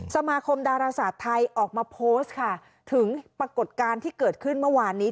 สมาคมดาราศาสตร์ไทยออกมาโพสต์ค่ะถึงปรากฏการณ์ที่เกิดขึ้นเมื่อวานนี้